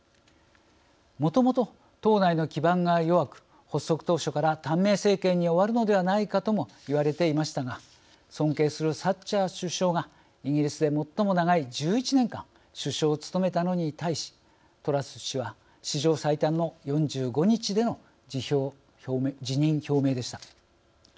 もともと党内の基盤が弱く発足当初から短命政権に終わるのではないかとも言われていましたが尊敬するサッチャー首相がイギリスで最も長い１１年間、首相を務めたのに対しトラス氏は史上最短の４５日での辞任表明でした。